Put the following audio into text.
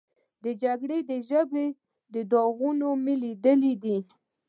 د جګړې د ژبې داغونه مې لیدلي دي.